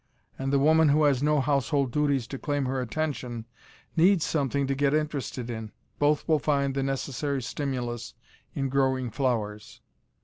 And the woman who has no household duties to claim her attention needs something to get interested in. Both will find the necessary stimulus in growing flowers.